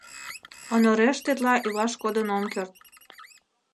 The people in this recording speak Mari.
Онореш тетла илаш кодын ом керт.